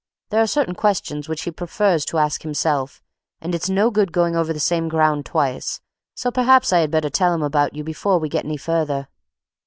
There are certain questions which he prefers to ask himself, and it's no good going over the same ground twice. So perhaps I had better tell him about you before we get any further."